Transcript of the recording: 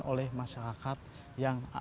oleh masyarakat yang berpengalaman